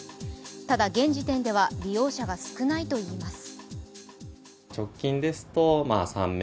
ただ現時点では利用者が少ないといいます。